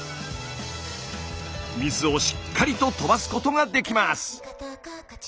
水をしっかりと飛ばすことができます。